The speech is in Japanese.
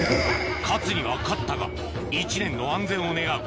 勝つには勝ったが１年の安全を願う